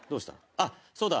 あっそうだ。